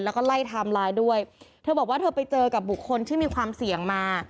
แล้วก็ไล่ไทม์ไลน์ด้วยเธอบอกว่าเธอไปเจอกับบุคคลที่มีความเสี่ยงมา